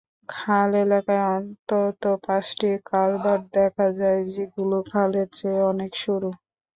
খাল এলাকায় অন্তত পাঁচটি কালভার্ট দেখা যায়, যেগুলো খালের চেয়ে অনেক সরু।